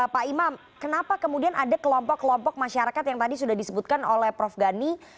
pak imam kenapa kemudian ada kelompok kelompok masyarakat yang tadi sudah disebutkan oleh prof gani